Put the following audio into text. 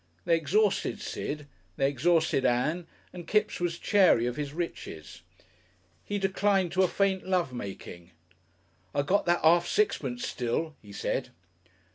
They exhausted Sid, they exhausted Ann, and Kipps was chary of his riches. He declined to a faint love making. "I got that 'arf sixpence still," he said.